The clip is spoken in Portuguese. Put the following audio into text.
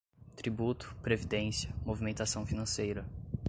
tributo, previdência, movimentação financeira